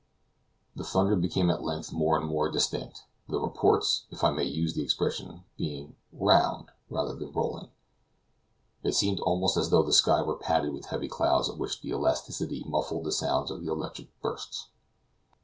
The thunder became at length more and more distinct, the reports, if I may use the expression, being "round," rather than rolling. It seemed almost as though the sky were padded with heavy clouds of which the elasticity muffled the sound of the electric bursts.